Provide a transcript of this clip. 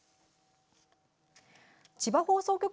千葉放送局